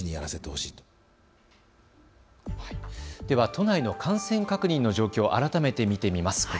では都内の感染確認の状況を改めて見てみます。